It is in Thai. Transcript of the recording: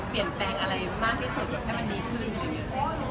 เปลี่ยนแปลงอะไรมากที่สุดให้มันดีขึ้น